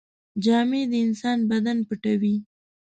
جامې د انسان بدن پټوي.